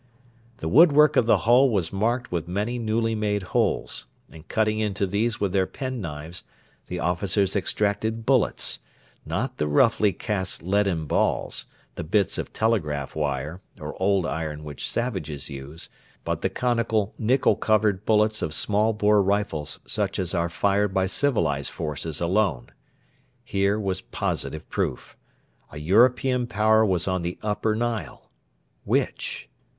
The woodwork of the hull was marked with many newly made holes, and cutting into these with their penknives the officers extracted bullets not the roughly cast leaden balls, the bits of telegraph wire, or old iron which savages use, but the conical nickel covered bullets of small bore rifles such as are fired by civilised forces alone. Here was positive proof. A European Power was on the Upper Nile: which?